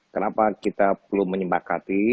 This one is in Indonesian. kenapa kita perlu menyembakati